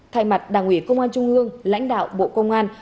thay mặt đảng ủy công an trung ương lãnh đạo bộ công an